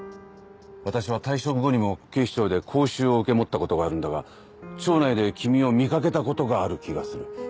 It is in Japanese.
私は退職後にも警視庁で講習を受け持ったことがあるんだが庁内で君を見掛けたことがある気がする。